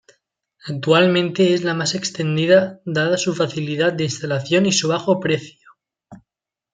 Actualmente es la más extendida dada su facilidad de instalación y su bajo precio.